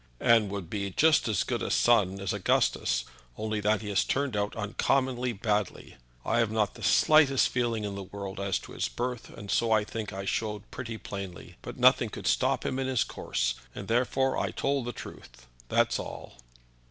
"And would be just as good a son as Augustus, only that he has turned out uncommonly badly. I have not the slightest feeling in the world as to his birth, and so I think I showed pretty plainly. But nothing could stop him in his course, and therefore I told the truth, that's all."